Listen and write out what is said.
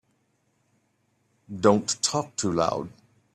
Don't talk too loud.